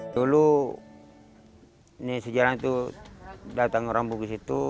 dulu ini sejarah itu datang orang bugis itu